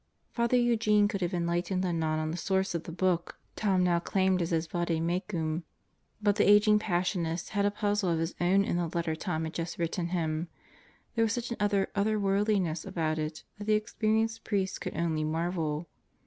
... Father Eugene could have enlightened the nun on the source of the book Tom now claimed as his vade mecum, but the aging Passionist had a puzzle of his own in the letter Tom had just written him. There was such an utter "otherworldliness" about it that the experienced priest could only marvel.